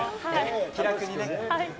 気楽にね。